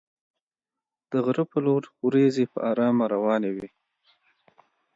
د غره په لور ورېځې په ارامه روانې وې.